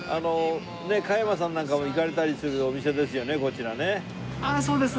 加山さんなんかも行かれたりするお店ですよねこちらね。